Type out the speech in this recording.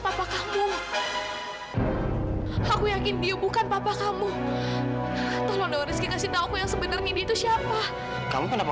aku yakin dia bukan papa kamu tolong kasih tahu yang sebenarnya itu siapa kamu kenapa